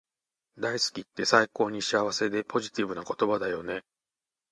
大好きって最高に幸せでポジティブな言葉だよね